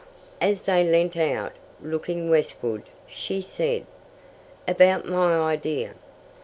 As they leant out, looking westward, she said: "About my idea.